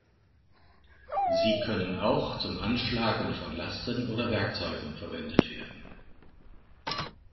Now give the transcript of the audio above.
Sie können auch zum Anschlagen von Lasten oder Werkzeugen verwendet werden.